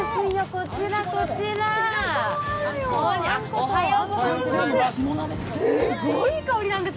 こちらこちら、おはようございます。